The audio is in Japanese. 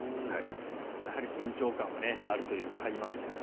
やはり緊張感はあるという開幕戦